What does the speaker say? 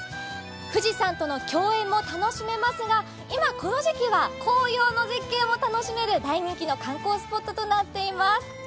富士山との共演も楽しめますが、今この時期は紅葉の絶景も楽しめる大人気の観光スポットとなっています。